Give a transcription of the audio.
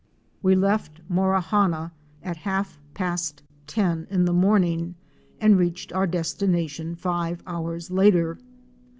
We left Morawhanna at half past ten in the morning and reached our destination five hours later.